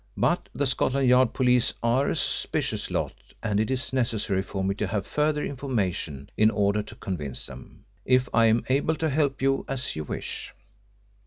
"But the Scotland Yard police are a suspicious lot, and it is necessary for me to have further information in order to convince them if I am to help you as you wish."